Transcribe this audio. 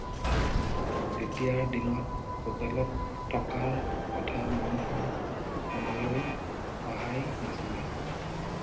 তেতিয়াৰ দিনত হোটেলত থকাৰ কথা মানুহৰ মনলৈ অহাই নাছিলে।